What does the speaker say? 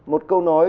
một câu nói